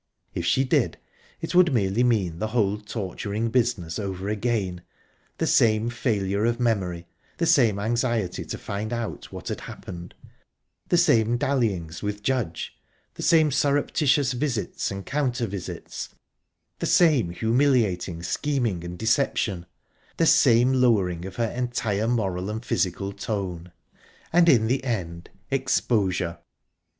If she did, it would simply mean the whole torturing business over again the same failure of memory, the same anxiety to find out what had happened, the same dallyings with Judge, the same surreptitious visits and counter visits, the same humiliating scheming and deception, the same lowering of her entire moral and physical tone, and in the end..._exposure!